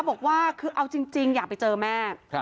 บอกว่าคือเอาจริงอยากไปเจอแม่